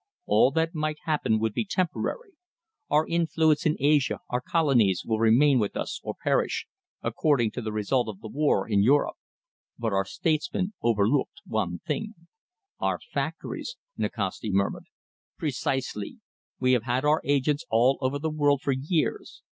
All that might happen would be temporary. Our influence in Asia, our colonies, will remain with us or perish, according to the result of the war in Europe. But our statesmen overlooked one thing." "Our factories," Nikasti murmured. "Precisely! We have had our agents all over the world for years.